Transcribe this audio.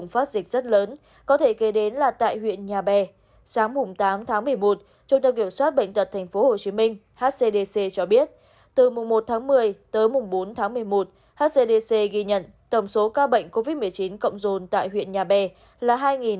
hcdc ghi nhận tổng số ca bệnh covid một mươi chín cộng dồn tại huyện nhà bè là hai năm trăm năm mươi một